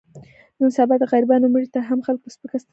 نن سبا د غریبانو مړي ته هم خلک په سپکه سترګه ګوري.